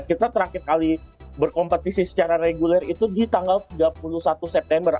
kita terakhir kali berkompetisi secara reguler itu di tanggal tiga puluh satu september